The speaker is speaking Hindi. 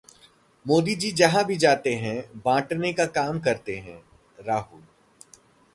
मोदी जी जहां भी जाते हैं बांटने का काम करते हैं: राहुल